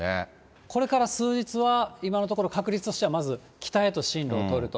これから数日は、今のところ、確率としてはまず北へと進路をとると。